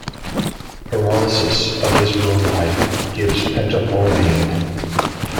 Pyrolysis of this bromide gives pentaborane.